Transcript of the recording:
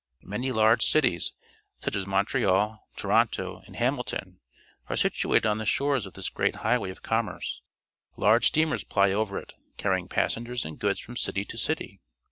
Many large cities, such as Montreal, Toronto, and Hamilton, are situated on the shores of this great highway of commerce. Large steamers \Ay over it, carrying passengers and goods from city to city.